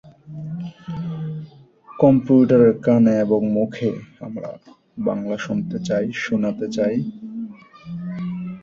এটি রিয়াদের সবচেয়ে উচু আবাসিক ভবন।